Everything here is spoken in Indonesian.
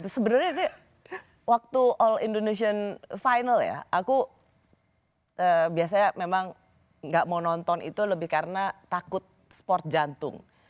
sebenarnya itu waktu all indonesian final ya aku biasanya memang gak mau nonton itu lebih karena takut sport jantung